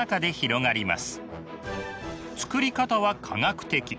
作り方は科学的。